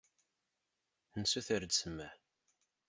Nessuter-d ssmaḥ.